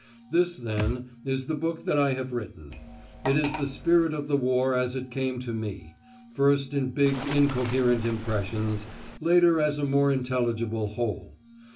This, then, is the book that I have written. It is the spirit of the war as it came to me, first in big incoherent impressions, later as a more intelligible whole.